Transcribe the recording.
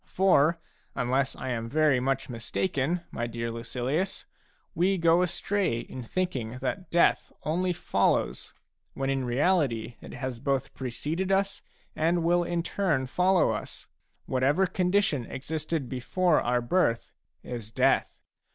For, unless I am very much mistaken, my dear Lucilius, we go astray in thinking that death only follows, when in reality it has both preceded us and will in turn follow us. Whatever condition existed before our birth, is death.